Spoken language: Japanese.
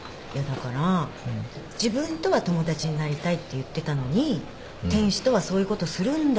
だから自分とは友達になりたいって言ってたのに天使とはそういうことするんだと勘違いなさったわけですよね？